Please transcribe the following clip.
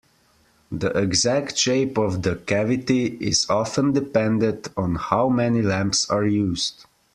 The exact shape of the cavity is often dependent on how many lamps are used.